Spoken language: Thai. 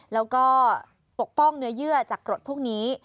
แล้วก็ปกป้องเนื้อเยื่อจากกรดพวกนี้